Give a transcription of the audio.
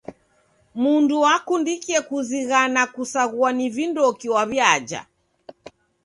Mndu wakundikie kuzighana kusaghua ni vindoki waw'iaja.